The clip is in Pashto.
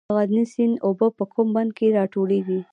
د غزني سیند اوبه په کوم بند کې راټولیږي؟